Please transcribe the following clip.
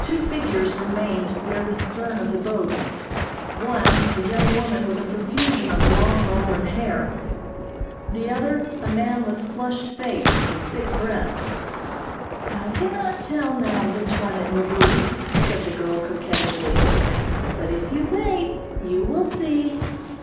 Two figures remained near the stern of the boat. One, a young woman with a profusion of long auburn hair, the other a man with flushed face and thick breath. "I cannot tell now which one it will be," said the girl coquettishly, "but if you wait you will see."